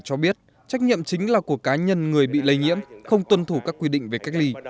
cho biết trách nhiệm chính là của cá nhân người bị lây nhiễm không tuân thủ các quy định về cách ly